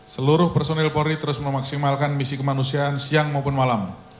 seluruh personil polri terus memaksimalkan misi kemanusiaan siang maupun malam